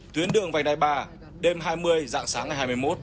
tuyến đường vành đai ba đêm hai mươi dạng sáng ngày hai mươi một